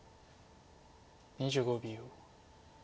２５秒。